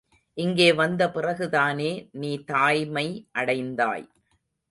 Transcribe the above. இங்கே வந்த பிறகுதானே நீ தாய்மை அடைந்தாய்.